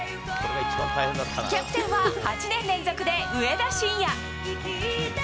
キャプテンは８年連続で上田晋也。